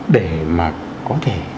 để mà có thể